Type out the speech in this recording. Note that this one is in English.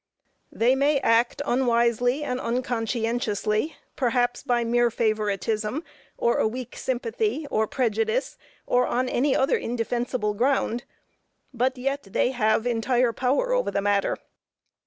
They may act unwisely and unconscientiously, perhaps by mere favoritism, or a weak sympathy, or prejudice, or on any other indefensible ground; but yet they have entire power over the matter.